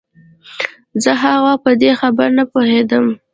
زه هغه وخت په دې خبره نه پوهېدم.